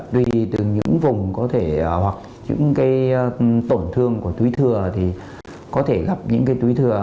tuy từ những vùng có thể hoặc những tổn thương của túi thừa thì có thể gặp những túi thừa